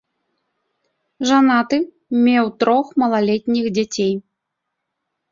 Жанаты, меў трох малалетніх дзяцей.